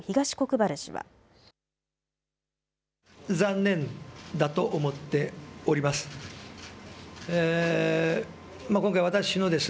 残念だと思っております。